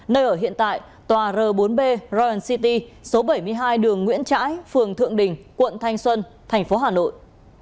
nơi ở hiện tại tòa r bốn broan city số bảy mươi hai đường nguyễn trãi phường thượng đình quận thanh xuân thành phố hà nội